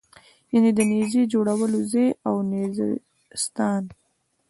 یعنې د نېزې جوړولو ځای او نېزه ستان.